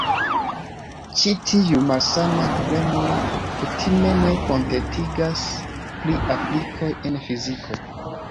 Ĉi tiuj "malsanaj" problemoj kutime ne kontentigas pri aplikoj en fiziko.